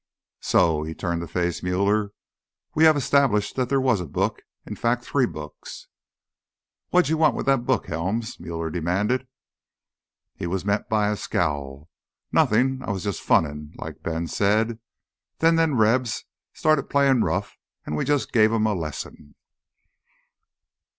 "So—" he turned to face Muller. "We have established that there was a book, in fact, three books." "What'd you want with that book, Helms?" Muller demanded. He was met by a scowl. "Nothin'. I was jus' funnin'—like Ben said. Then them Rebs started playin' rough, an' we jus' gave 'em a lesson."